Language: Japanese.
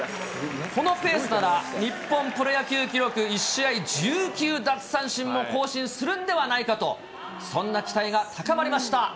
このペースなら日本プロ野球記録、１試合１９奪三振も更新するんではないかと、そんな期待が高まりました。